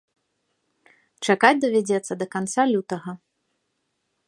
Чакаць давядзецца да канца лютага.